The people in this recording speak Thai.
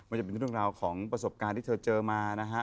จะเป็นเรื่องราวของประสบการณ์ที่เธอเจอมานะฮะ